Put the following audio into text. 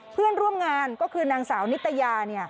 เพื่อนร่วมงานก็คือนางสาวนิตยา